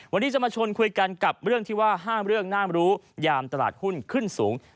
วันนี้จะมาชวนคุยกันกับเรื่องที่ว่าห้ามเรื่องน่ารู้ยามตลาดหุ้นขึ้นสูง